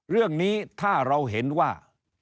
เรื่องนี้ถ้าเราเห็นว่า